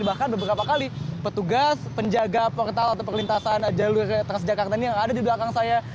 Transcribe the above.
bahkan beberapa kali petugas penjaga portal atau perlintasan jalur transjakarta ini yang ada di belakang saya